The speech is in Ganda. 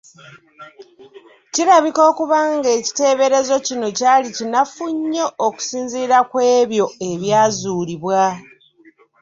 Kirabika okuba nga ekiteeberezo kino kyali kinafu nnyo okusinziira kw’ebyo ebyazuulibwa.